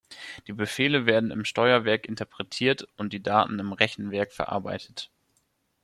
Die Befehle werden im Steuerwerk interpretiert und die Daten im Rechenwerk verarbeitet.